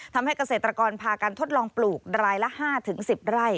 ทำให้เกษตรกรพาการทดลองปลูกรายละ๕๑๐ไร่